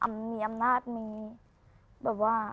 มีอำนาจมีแบบว่า